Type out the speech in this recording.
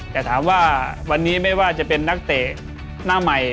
แต่ถามว่าวันนี้ไม่ว่าจะเป็นนักเตะหน้าใหม่